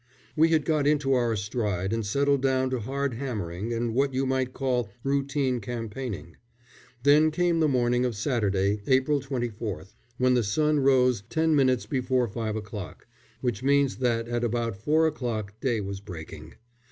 We had got into our stride and settled down to hard hammering and what you might call routine campaigning. Then came the morning of Saturday, April 24th, when the sun rose ten minutes before five o'clock, which means that at about four o'clock day was breaking.